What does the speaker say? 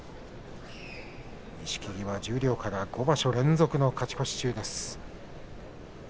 錦木は十両から５場所連続の勝ち越し中です。